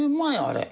あれ。